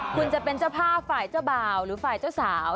คุณจะเป็นเจ้าภาพฝ่ายเจ้าบ่าวหรือฝ่ายเจ้าสาว